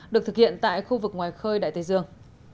được thực hiện tại khu vực ngoài khơi đại tây dương